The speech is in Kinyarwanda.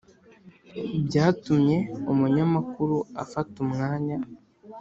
byatumye umunyamakuru afata umwanya